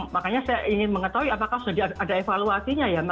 makanya saya ingin mengetahui apakah sudah ada evaluasinya ya